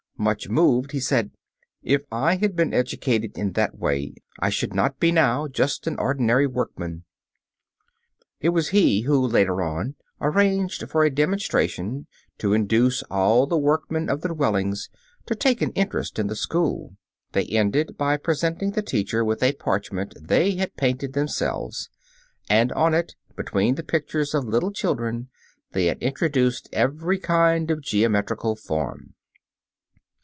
Much moved, he said, "If I had been educated in that way I should not be now just an ordinary workman." It was he who later on arranged for a demonstration to induce all the workmen of the dwellings to take an interest in the school. They ended by presenting the teacher with a parchment they had painted themselves, and on it, between the pictures of little children, they had introduced every kind of geometrical form.